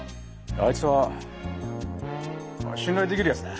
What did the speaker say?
あいつは信頼できるやつだ。